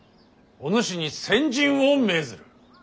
おぬしに先陣を命ずる。